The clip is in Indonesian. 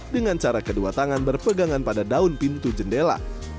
dengan cara kedua tangan berpegangan pada daun pintu jendela